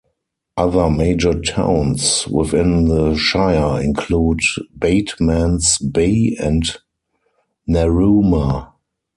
Other major towns within the shire include Batemans Bay and Narooma.